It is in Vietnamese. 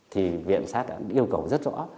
thì viện sát đã yêu cầu rất rõ